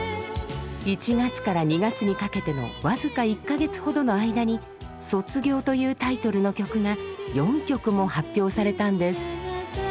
１月から２月にかけての僅か１か月ほどの間に「卒業」というタイトルの曲が４曲も発表されたんです。